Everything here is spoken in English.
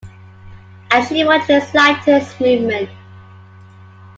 And she watched his slightest movement...